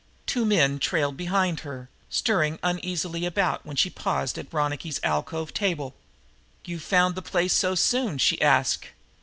Two men trailed behind her, stirring uneasily about when she paused at Ronicky's alcove table. "You've found the place so soon?" she asked.